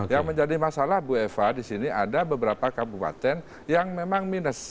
yang menjadi masalah bu eva di sini ada beberapa kabupaten yang memang minus